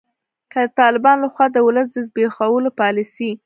که د طالبانو لخوا د ولس د زبیښولو پالسي